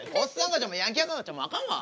赤ちゃんもヤンキー赤ちゃんもあかんわ。